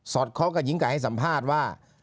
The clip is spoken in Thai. คล้องกับหญิงไก่ให้สัมภาษณ์ว่า